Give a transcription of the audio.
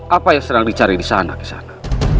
apa yang sedang dicari di sana kisana